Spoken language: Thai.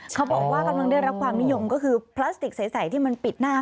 กำลังได้รับความนิยมก็คือพลาสติกใสที่มันปิดหน้า